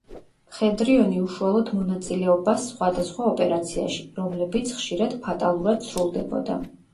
მხედრიონი უშუალოდ მონაწილეობას სხვადასხვა ოპერაციაში, რომლებიც ხშირად ფატალურად სრულდებოდა.